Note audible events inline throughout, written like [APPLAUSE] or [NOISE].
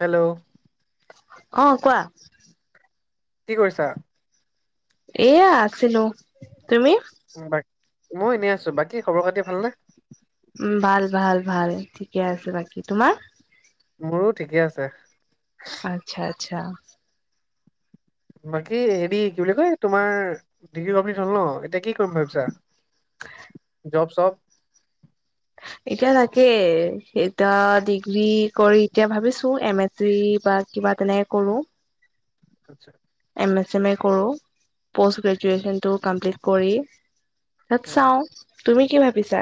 Hello. অ কোৱা। কি কৰিছা। এয়া আছিলো তুমি। উম বাক মই এনেই আছো বাকী খবৰ খাতি ভালনে উ ভাল ভাল ভাল ঠিকে আছে বাকী তোমাৰ মোৰো ঠিকে আছে আচ্ছা আচ্ছা বাকী হেৰি কি বুলি কয় তোমাৰ ডিগ্ৰী কমপ্লিট হল ন এতিয়া কি কৰিম ভাবিছা জবছপ এতিয়া তাকে এইতা ডিগ্ৰী কৰি এতিয়া ভাবিছো এম এ চি বা কিবা তেনেকে কৰো আতচ্চা। এমে চেমে কৰো পষ্ট গ্ৰেজুৱেচন টো কামপ্লিট কৰি। তাত উম চাও তুমি কি ভাবিছা।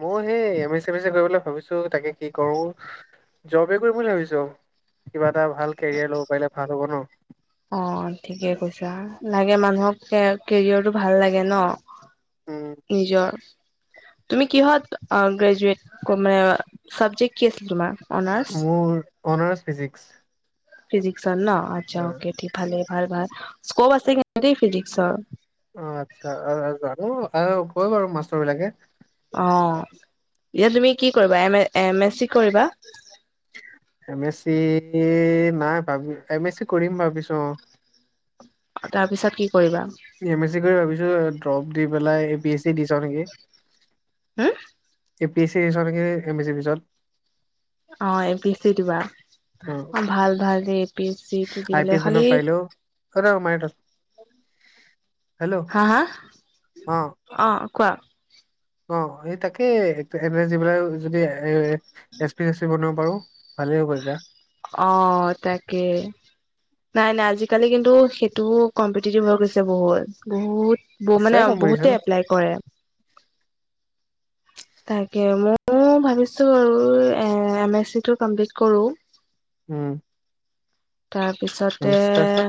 মই সেই এম এ চেম এ যে কৰিবলে ভাবিছো তাকে কি কৰো জবে কৰিম বুলি ভাবিছো কিবা এটা ভাল কেৰিয়াৰ লব পাৰিলে ভাল হ'ব ন অ ঠিকে কৈছা লাগে মানুহক কে কেৰিয়ৰটো ভাল লাগে ন উম নিজৰ তুমি কিহত অ গ্ৰেজুৱেট ক মানে চাবজেক্ট কি আছিলে তোমা মোৰ অনাৰেছ ফিজিক্স ফিজিক্সত ন আচ্ছা অ অকে ঠি ভালে ভাল ভাল স্কপ আছে কিন্তু দেই ফিজিক্সৰ অ আচ্ছা অ অ জানো আহ কয় বাৰু মাষ্টৰ বিলাকে অ এয়া তুমি কি কৰিবা M A M A C কৰিবা এম এছ চি নাই ভাবি এম এ চি কৰিম ভাবিছো অ তাৰপিছত কি কৰিবা এম এছ চি কৰি ভাবিছো ড্ৰপ দি পেলাই এ পি এছ চি দি চাও নেকি হু এ পি এ চি আছে নেকি এম এ চি পিছত অ এ পি এ চি দিবা অ ভাল ভাল দেই এ পি এ চি দিবলে খালি সেয়াতে সোমাই থাক হেল্ল হা হা অ অ কোৱা অ এই তাকে এড্ৰেছ দি পেলাই যদি A S P S P বনিব পাৰো ভালে হ'ব তেতিয়া অ তাকে নাই নাই আজিকালি কিন্তু সেইটোও কম্পিটিটিভ হৈ গৈছে বহুত বহুত ব আছে মানে বহুতে কম্পিটিচন এপ্লাই কৰে তাকে ময়ো ভাবিছো আৰু এ এম এ চি টো কমপ্লিট কৰো উম এম তাৰপিছতে এছ চি তাৰপিছত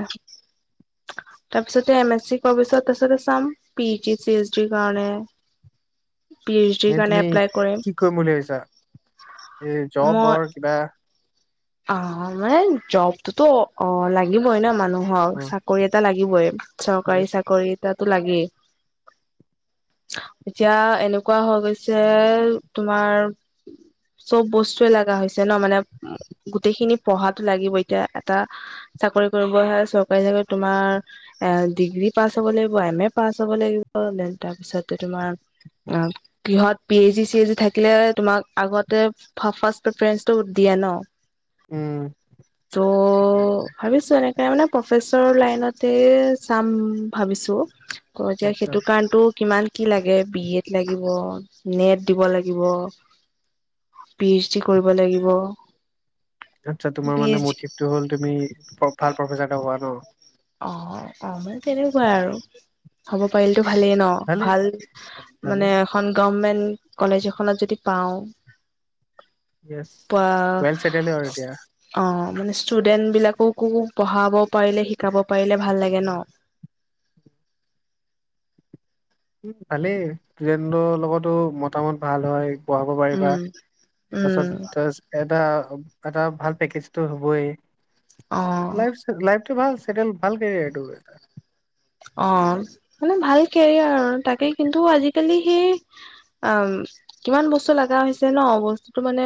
তাৰ পিছতে এম এছ চি কৰা পিছত তাৰপিছতে চাম পি জি চি এচ ডিৰ কাৰণে [UNINTELLIGIBLE] পি এইচ ডিৰ এ কাৰণে তুমি এপ্লাই কি কৰিম বুলি ভাবিছা এ মই জবৰ কিবা অ মানে জবটোতো অ লাগিবই ন মানুহক অ চাকৰি এটা লাগিবই চৰকাৰী য়েছ চাকৰি এটাতো লাগেই এতিয়া এনেকুৱা হৈ গৈছে তোমাৰ চব বস্তুয়ে লগা হৈছে ন মানে গোটেইখিনি পঢ়াতো লাগিবই এতিয়া এটা চাকৰি কৰিব হয় চৰকাৰী চাকৰি তোমাৰ এ ডিগ্ৰী পাছ হ'ব লাগিব এম এ পাছ হ'ব লাগিব ডেন তাৰ পিছতে তোমাৰ অ গৃহত পি এইচ জি চি এই জি থাকিলে তোমাক আগতে ফাৰ্ষ প্ৰেফাৰেঞ্চটো দিয়ে ন উম ত' ভাবিছো এনেকে মানে প্ৰফেচৰ লাইনতে চাম ভাবিছো অ এতিয়া আচ্ছা সেইটো কাৰণেটো কিমান কি লাগে বি এড লাগিব নেট দিব লাগিব পি এইচ ডি কৰিব লাগিব। আচ্ছা তোমাৰ পি মানে এইচ ডি মটিভটো হল তুমি ভাল প্ৰফেচাৰ এটা হোৱা ন অ অ মানে তেনেকুৱা আৰু থব পাৰিলেটো ভালেই ন ভালে ভাল ভালে মানে এখন গৰমেন্ট কলেজ এখনত যদি পাওঁ য়েছ বা ৱেল চেটেল আৰু এতিয়া অ মানে ষ্টুডেন্ট বিলাককো পঢ়াব পাৰিলে শিকাব পাৰিলে ভাল লাগে ন উম ভালেই ফ্ৰেইণ্ডৰ লগতো মতামত ভাল হয় পঢ়াব পাৰিবা উম তাৰ উম পাছত এটা এটা ভাল পেকেজটো হ'বই অ লাচ লাইফটো ভাল চেটেল ভাল কেৰিয়াৰটো অ মানে ভাল কেৰিয়াৰ আৰু তাকে কিন্তু আজিকালি সেই অ কিমান বস্তু লগা হৈছে ন বস্তুটো মানে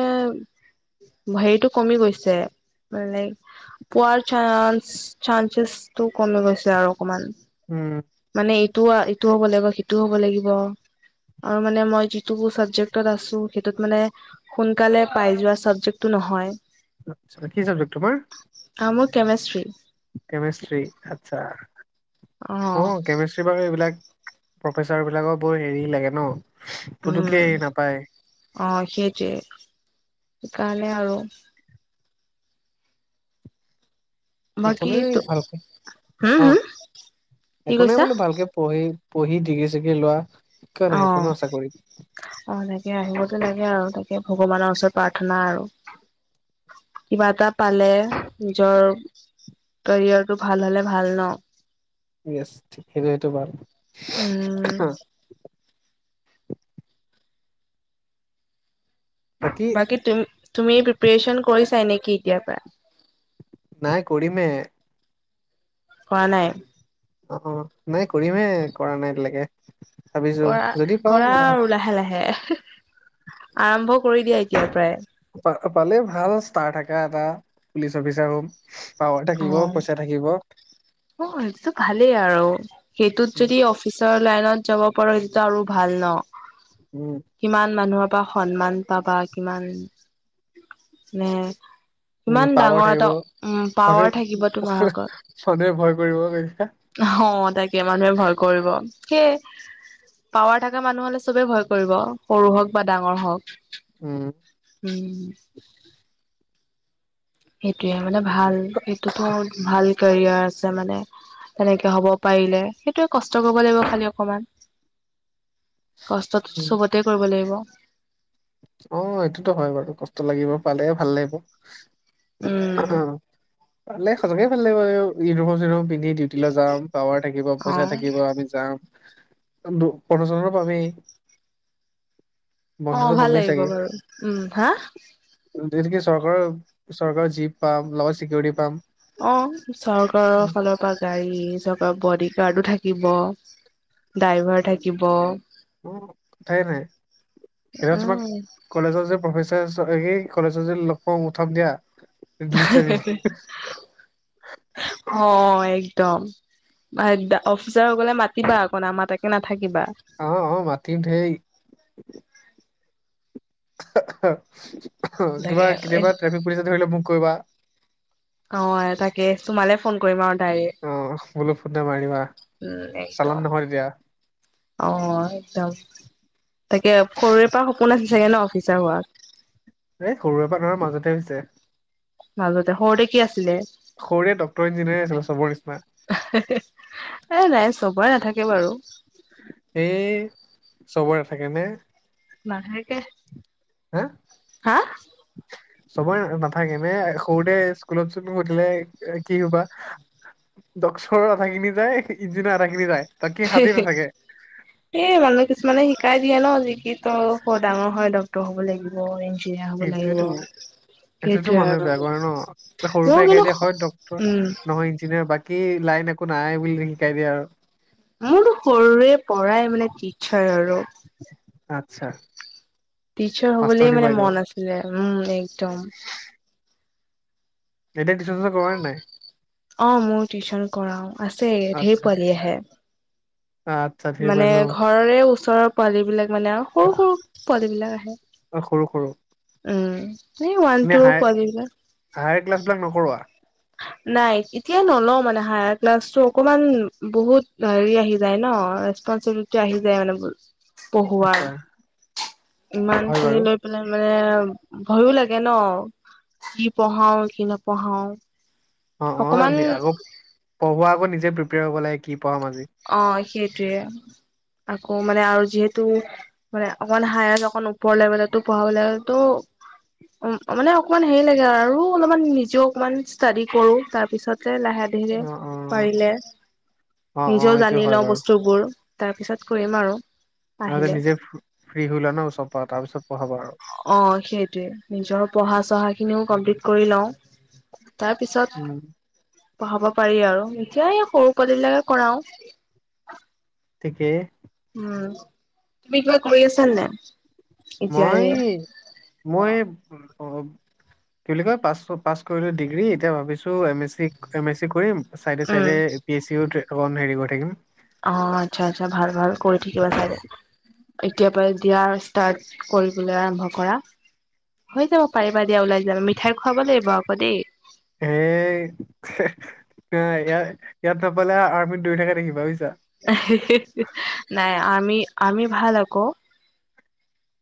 ভাৰিটো কমি গৈছে লাই পোৱাৰ চানন্স চানন্সেচটো কমি গৈছে আৰু অকমান উম মানে এইটোও এইটো হ'ব লাগিব সিটো হ'ব লাগিব আৰু মানে মই যিটো চাবজেক্টত আছো সেইটোত মানে সোনকালে পাই যোৱা ছাবজেক্টটো নহয় আচ্ছা কি চাবজেক্ট তোমাৰ অ, ' মোৰ কেমেষ্ট্ৰি। কেমিষ্ট্ৰী আচ্ছা, অ কেমি বাৰু এইবিলাক প্ৰফেচাৰ বিলাকৰ বৰ হেৰি লাগে ন উম পুটোককে হেৰি নাপায়। অ, ' সেইটোৱে সেইকাৰণে আৰু একো বাকী নাই ভালকে হম অ, হম ' কি একো নাই কৈছা বোলো ভালকে পঢ়ি পঢ়ি ডিগ্ৰী চিগ্ৰী লোৱা। কিয় নাহিব আহ। ন চাকৰিত অ, ' তাকে আহিবতো লাগে আৰু তাকে ভগৱানৰ ওচৰত প্ৰাৰ্থনা আৰু। কিবা এটা পালে নিজৰ কেৰিয়াৰ টো ভাল হলে ভাল ন। ঠিক আছে ঠিক সেইটো সেইটো বাৰু উম বাকী তুম তুমি প্ৰিপেৰেচন কৰিছাই নেকি এতিয়াৰ পৰা? নাই কৰিমহে। কৰা নাই? অ, ' অ, ' নাই কৰিম হে কৰা নাই এতিয়ালৈকে। ভাবিছো কৰা যদি পাওঁ কৰা আৰু লাহে লাহে আৰম্ভ কৰি দিয়া এতিয়াৰ পৰাই। পালে ভাল ষ্টাৰ থকা এটা পুলিচ অফিচাৰ সম পাৱাৰ থাকিব অ'। পইচা থাকিব। অ, ' সেইটোতো ভালেই আৰু সেইটোত যদি অ অফিচাৰ লাইনত যাব পাৰো হেইতুটো আৰু ভাল ন। উম। কিমান মানুহৰ পৰা সন্মান পাবা কিমান মানে ইমান ডাঙৰ এটা উম পাৱাৰ হলেও থাকিব তোমাৰ আগত। চবেই ভয় কৰিব তেতিয়া। অ, ' তাকে মানুহে ভয় কৰিব সেই পাৱাৰ থকা মানুহ হলে চবেই ভয় কৰিব সৰু হওক বা ডাঙৰ হওক। উম। উম। সেইটোৱে মানে ভাল সেইটোতো ভাল কেৰিয়াৰ আছে মানে। তেনেকে হ'ব পাৰিলে সেইটোয়ে কষ্ট কৰিব লাগিব খালি অকমান। কষ্ট উম চবতে কৰিব লাগিব অ সটোতো হয় বাৰু কষ্ট লাগিব পালেহে ভাল লাগিব। অ উম ভালে সজাগে ভাল লাগিব আৰু ইউনিফৰ্ম চউনিফৰ্ম পিন্ধি। ডিউটিলৈ যাম পাৱাৰ থাকিব অ পইচা থাকিব আমি যাম। ফটো ছটো পাবি অ বন্ধনৰ ভাল বমি উম হা যিহেতকে চৰকাৰৰ চৰকাৰৰ জীপ পাম লগত চিকিউৰিটি পাম। অ চৰকাৰৰ ফালৰ চ গাড়ী চপ বডিগাৰ্ডো থাকিব ড্ৰাইভাৰ থাকিব। উ, কথায়াইে নাই এতিয়া তোমাক উম কলেজত যে প্ৰফেচাৰ আহেই কলেজত যে লগ পা উঠাম দিয়া ৰিলিফ চাই দিম অ একদম। অফিচাৰসকলে মাতিবা অকণ আমাৰ তাকে নাথাকিবা অ অ মাটি দেই কিবা তাকে কেতিয়াবা ট্ৰেফিক পুলিচ ধৰিলে মোক কবা। অ এ তাকে তোমালে ফোন কৰিম আৰু ডাইৰেক অ বুলো ফোন নে মাৰিবা উম একদম চালান নহয় তেতিয়া অ এদম তাকে সৰুৰে পৰা সপোন আছে চাগে ন অফিচাৰ হোৱা এ সৰুৰে পৰা ধৰ মাজতে হৈছে মাজতে সৰুতে কি আছিলে সৰুৰে ডক্তৰ ইঞ্জিনিয়াৰ আছিলে চবৰ নিছিনা এ নাই চবৰে নাথাকে বাৰু এই চবৰে নাথাকে নে নাথাকেহ এ চবৰে নাথাকে নে সৰুতে স্কুলত চোন সুধিলে এ কি হবা ডক্সৰ আধাখিনি যায় ইনজিনাৰ আধা খিনি যায় বাকী হাতেই নাথাকে এ মানে কিছুমানে শিকাই দিয়ে ন যিকি ত হ ডাঙৰ হয় ডক্ত হ'ব লাগিব ইঞ্জিনিয়াৰ হ'ব লাগিব সেইটোৱেতো সেইটোতো সেইটোয়ে মানুহে আৰু বেয়া কৰে ন এ সৰু মোৰ পৰা শিকাই কিন্তু দিয়ে হয় ডক্তৰ উম নহয় ইঞ্জিনিয়াৰ বাক কি লাইন একো নাই বুলি শিকাই দিয়ে আৰু মোৰ সৰুৰে পৰাই মানে টিচাৰ আৰু আত্ছা টিচাৰ হবলেই মানে মন আছিলে উম একদম এতিয়া তিছন চন কৰা নাই অ মোৰ টিউচন কৰাও আছে ঢেৰ পোৱালি আহে আত মানে ঘৰৰে ওচৰৰ পোৱালী বিলাক মানে আও সৰু সৰু পোৱালী বিলাক আহে অ, সৰু সৰু উম এই ওৱান এনে টু হায় পোৱালিবিলাক হায়াৰ ক্লাছ বিলাক নকৰোৱা নাই এতিয়া নলও মানে হায়াৰ ক্লাছটো অকমান বহুত হেৰি আহি যায় ন টযুলটে আহি যায় মানে পৰ পঢ়োৱাৰ আচ্ছা ইমান হয় খিনি বাৰু লৈ পেলাই মানে ভয়ো লাগে ন কি পঢ়াও কি নপঢ়াও অ অ অকমান নে আকৌ পঢ়োৱা আকৌ নিজে প্ৰিপেয়াৰ হ লাগে কি পঢ়াম আজি অ সেইটোৱে আকৌ মানে আৰু যিহেতু মানে অকমাণ হায় অকণ ওপৰ লেবেলটো পঢ়াব লাগেতো উম অ মানে অকমান হেৰি লাগে আৰু অলপমান নিজেও অকমান ষ্টাডি কৰো তাৰপিছতে লাহে ধিৰে অ অ পাৰিলে অ অ নিজেও এইটো জানি হয় লওঁ বাৰু বস্তুবোৰ তাৰপিছত কৰিম আৰু। আগে আহিলে নিজে ফ্ৰী হৈ লোৱা ন চপা তাৰ পিছত পঢ়াবা আৰু। অ', সেইটোৱে নিজৰ পঢ়া চহা খিনিও কমপ্লিট কৰি লওঁ। তাৰ পিছত উম পঢ়াব পাৰি আৰু এতিয়া এই সৰু পোৱালি বিলাকে কৰাও। তেকে। উম তুমি কিবা কৰি আছা নে নাই এতিয়া মই এ মই অ' কি বুলি কয় পাছ প পাছ কৰিলোঁ ডিগ্ৰী এতিয়া ভাবিছোঁ M A C M A C কৰিম চাইডে উম চাইডে এ পি এ চিও তে হেৰি কৰি থাকিম। অ আচ্ছা আচ্ছা ভাল ভাল কৰি থাকিবা তেনেকে এতিয়া পাই দিয়া ষ্টাৰ্ট কৰিবলে আৰম্ভ কৰা হৈ যাব পাৰিবা দিয়া ওলাই মিঠাই খাব লাগিব আকৌ দেই। সেই। এ ইয়াত ইয়াত নাপালে আৰ্মিত দৌৰি থাকে দেখিবা বুজিছা। নাই আমি আমি ভাল আকৌ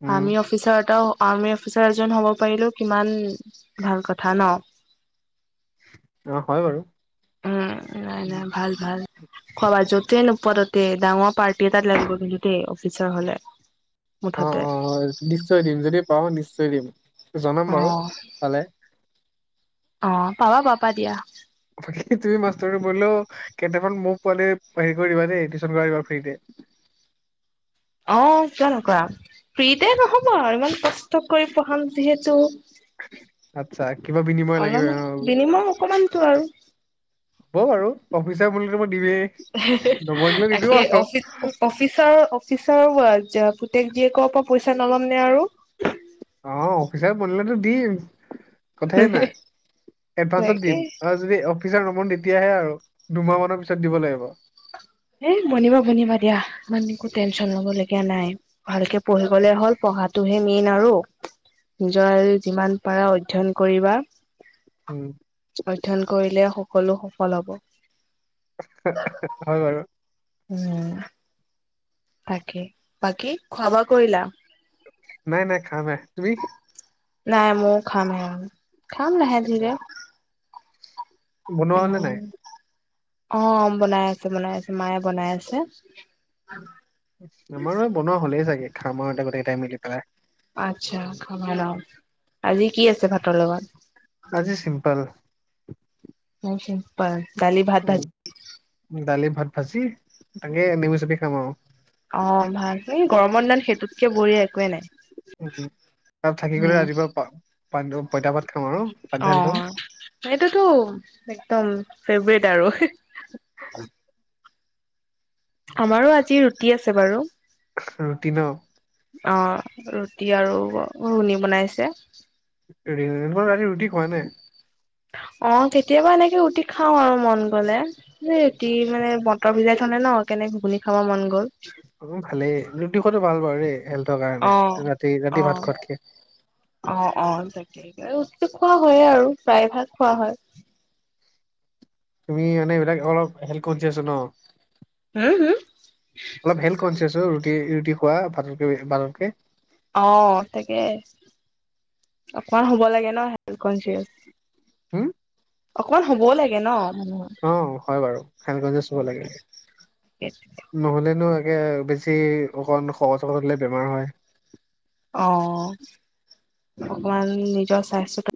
উম আৰ্মি অফিচাৰ এটা আৰ্মি অফিচাৰ এজন হ'ব পাৰিলো কিমান ভাল কথা ন। অ', হয় বাৰু। উম নাই উম, নাই ভাল ভাল। খব যতে নোপতে ডাঙৰ পাৰ্টি এটাত লাগিব কিন্তু দেই অফিচৰ হলে। অ মুঠতে। অ নিশ্চয় দিম যদি পাওঁ নিশ্চয় দিম জনাম অ বাৰু পালে। অ পাবা পাৰ পা দিয়া। বাকী তুমি মাষ্টৰ বলেও কেইটামান মোক পোৱালি হেৰি কৰি দিবা দেই টিউচন কৰা দিবা ফ্ৰীতে। অ কিয় নকৰাম। ফ্ৰীতে নহ'ব আৰু ইমান কষ্ট কৰি পঢ়াম যিহেতু। আচ্ছা কিবা বিনিময় লাগিব অ, অলপ বিনিময় অকমানতো আৰু। হ'ব ব আৰু অফিচা বো মই দিমেই। নবনিলে নিদিওঁ তাকে আৰু অফিচ অ অফিচাৰ অফিচাৰ পুতেক জীয়েকৰ পৰা পইচা নল'ম নে আৰু। অ', অফিচাৰ বনিলেতো দিম। কথাইে নাই এডভানসত তাকে দিম যদি অফিচাৰ নবনো তেতিয়াহে আৰু দুমাহ মানৰ পিছত দিব লাগিব। এ বনিবা বনিবা দিয়া ইমান একো টেনচন লব লগীয়া নাই। ভালকে পঢ়ি গলে হ'ল পঢ়াটোহে মেইন আৰু নিজৰ যিমান পৰা অধ্যয়ন কৰিবা উম অধ্যয়ন কৰিলে সকলো সফল হব। হয় বাৰু। উম। তাকে বাকী খোৱা বোৱা কৰিলা? নাই নাই খাম হে। তুমি? নাই মোৰ খামে খাম লাহে আচ্ছা, ধীৰে। বনোৱা হলে ইমান নাই অ', বনাই আছে বনাই আছে মায়ে বনাই আছে। উ আমাৰো বনোৱা হ'লেই চাগে খামাৰতে গোটকেইটাই মিলি পেলাই। আচ্ছা খাবা লওঁ আজি কি আছে ভাতৰ লগত? আজি চিম্পল। ন চিম্পল দালি ভাত ভাজি উম দালি ভাত ভাজি তাকে নেমু চেপি খাম আৰু। অ', ভাল গৰমৰ দিনত সেইটোতকে বঢ়িয়া একোৱেই নাই। তাত থাকি গ'লে উম ৰাতিপুৱা প পইতা পাত খাম আৰু পানী ঢালি ধম। সটোতো একদম ফেভৰেট আৰু। আমাৰো আজি ৰুটি আছে বাৰু। ৰুটি ন অ', ৰুটি আৰু ঘুগুনী বনাইছে। ৰাতি ৰুটি খোৱা নাই। অ কেতিয়াবা এনেকে ৰুটি খাও আৰু মন গলে, ৰুটি মানে মটৰ ভিজাই থলে ন কেনেক ঘুগুনি খাব মন গ'ল। অ ভালেই ৰুটি খোৱটো ভাল বাৰু দেই হেল্থৰ কাৰণে অ ৰাতি ৰাতি ভাত খোৱাত কে। অঁ অঁ তাকে ৰুটি খোৱা হয়ে আৰু প্ৰায় ভাগ খোৱা হয়। তুমি মানে এইবিলাক অলপ হেলথ কনচিয়াচো ন। হম হম অলপ হেল্থ কনচিয়াছ হয় ৰুটি ৰুটি খোৱা ভাততকে ভাততকে অঁ তাকে অকৱা হ'ব লাগে ন হেলথকনচিয়াছ। হুম! অকমান হ'বও লাগে ন মানুহৰ। অঁ হয় বাৰু সেনেকে যে চব লাগে। নহলেনো একে বেছি অকণ সকত চগত হলে বেমাৰ হয়। অঁ অকমান নিজৰ স্বাস্থ্যতে-